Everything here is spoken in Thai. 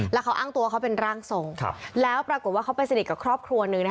แล้วเขาอ้างตัวเขาเป็นร่างทรงแล้วปรากฏว่าเขาไปสนิทกับครอบครัวหนึ่ง